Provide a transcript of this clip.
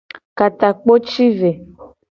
Ka takpo ci ve.